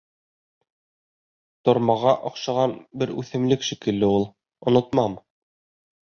Тормаға оҡшаған бер үҫемлек шикелле ул. Онотмам.